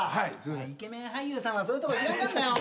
イケメン俳優さんはそういうとこ時間かかんだよ。